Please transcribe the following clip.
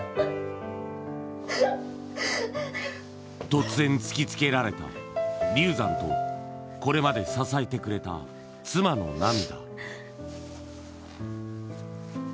突然突きつけられた流産とこれまで支えてくれた妻の涙